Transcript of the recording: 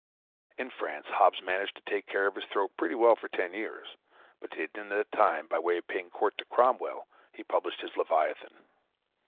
In France, Hobbes managed to take care of his throat pretty well for ten years; but at the end of that time, by way of paying court to Cromwell, he published his Leviathan.